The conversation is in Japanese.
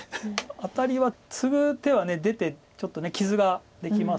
アタリはツグ手は出てちょっと傷ができます。